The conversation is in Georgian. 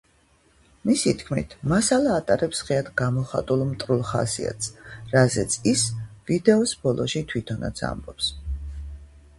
მისი თქმით, „მასალა ატარებს ღიად გამოხატულ მტრულ ხასიათს, რაზეც ის ვიდეოს ბოლოში თვითონაც ამბობს“.